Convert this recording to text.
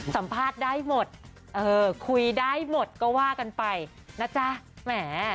สัมภาษณ์ได้หมดเออคุยได้หมดก็ว่ากันไปนะจ๊ะแหม